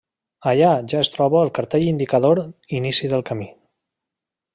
Allà ja es troba el cartell indicador inici del camí.